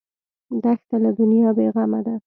دښته له دنیا بېغمه ده.